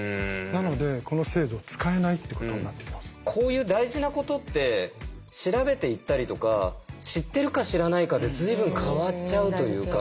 なのでこの制度を使えないってことになっています。こういう大事なことって調べていったりとか知ってるか知らないかで随分変わっちゃうというか。